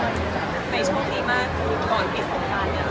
หรือจะมีใครตามแบ่งตอนนี้